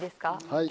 はい。